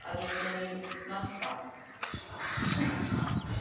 そんなことさせてもらえるんですか？